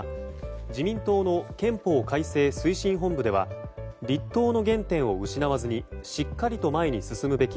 自民党の憲法改正推進本部では立党の原点を失わずにしっかりと前に進むべき。